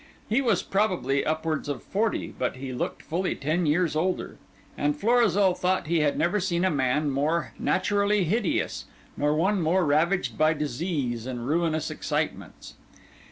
He was probably upwards of forty, but he looked fully ten years older; and Florizel thought he had never seen a man more naturally hideous, nor one more ravaged by disease and ruinous excitements.